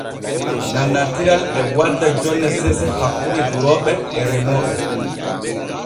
Nannantiral e wadda jonne seese hakkune durooɓe e remooɓe.